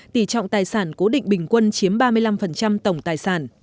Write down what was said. tỷ trọng tài sản cố định bình quân chiếm ba mươi năm tổng tài sản